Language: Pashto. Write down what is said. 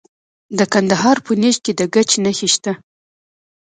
د کندهار په نیش کې د ګچ نښې شته.